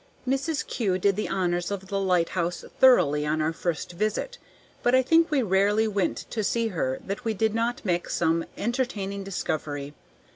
'"Mrs. Kew did the honors of the lighthouse thoroughly on our first visit; but I think we rarely went to see her that we did not make some entertaining discovery.